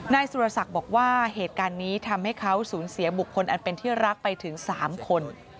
นายสุรศักดิ์บอกว่าเหตุการณ์นี้ทำให้เขาสูญเสียบุคคลอันเป็นที่รักไปถึง๓คน